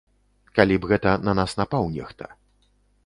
Калі б гэта на нас напаў нехта.